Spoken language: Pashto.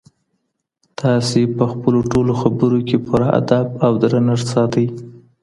تاسي په خپلو ټولو خبرو کي پوره ادب او درنښت ساتئ.